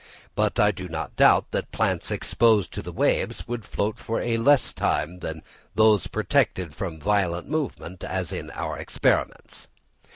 But I do not doubt that plants exposed to the waves would float for a less time than those protected from violent movement as in our experiments.